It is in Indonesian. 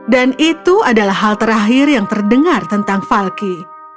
itu adalah hal terakhir yang terdengar tentang falky